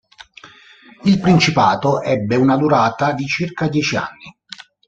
Il principato ebbe una durata di circa dieci anni.